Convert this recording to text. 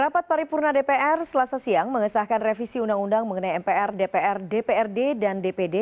rapat paripurna dpr selasa siang mengesahkan revisi undang undang mengenai mpr dpr dprd dan dpd